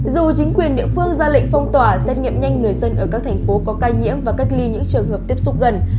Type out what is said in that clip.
dù chính quyền địa phương ra lệnh phong tỏa xét nghiệm nhanh người dân ở các thành phố có ca nhiễm và cách ly những trường hợp tiếp xúc gần